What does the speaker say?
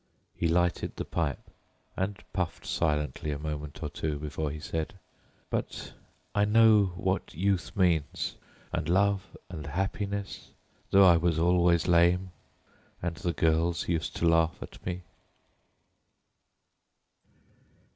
He lighted the pipe, puffed silently a moment or two, and then added: "But I know what youth means, and happiness, though I was lame, and the girls used to laugh at me."